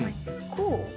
こう？